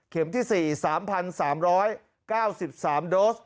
เข็มที่สี่๓๓๙๓โดส